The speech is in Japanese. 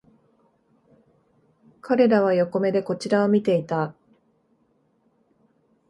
彼らは横目でこちらを見ていた